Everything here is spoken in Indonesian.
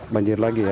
banjir lagi ya